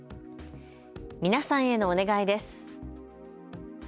皆さんへのお願いです。